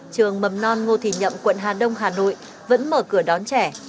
trường mầm non ngô thị nhậm quận hà đông hà nội vẫn mở cửa đón trẻ